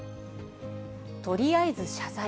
とりあえず謝罪。